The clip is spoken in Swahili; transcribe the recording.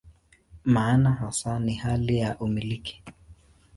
Maana hasa ni hali ya "umiliki".